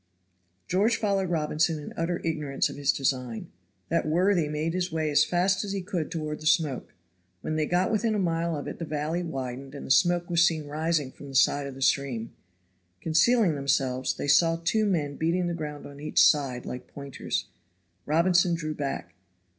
George followed Robinson in utter ignorance of his design; that worthy made his way as fast as he could toward the smoke. When they got within a mile of it the valley widened and the smoke was seen rising from the side of the stream. Concealing themselves, they saw two men beating the ground on each side like pointers. Robinson drew back.